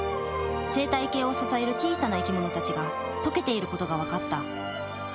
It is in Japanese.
生態系を支える小さな生き物たちが溶けていることが分かった。